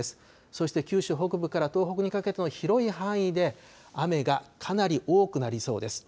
そして九州北部から東北にかけての広い範囲で、雨がかなり多くなりそうです。